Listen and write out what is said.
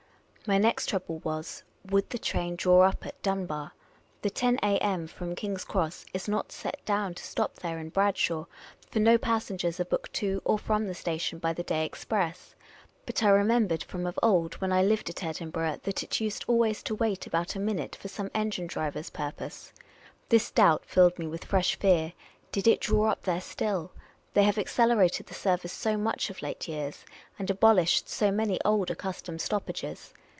My next trouble was — would the train draw up at Dunbar ? The lo A.M. from King's Cross is not set down to stop there in Bradshaw, for no passengers are booked to or from the station by the day express ; but I remembered from of old, when I lived at Edinburgh, that it used always to wait about a minute for some engine driver's purpose. This doubt filled me with fresh fear ; did it draw up there still ?— they have accelerated the service so much of late years, and abolished so many old accustomed stoppages.